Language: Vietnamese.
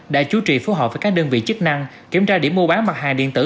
đã chú trị phù hợp với các đơn vị chức năng kiểm tra điểm mua bán mặt hàng điện tử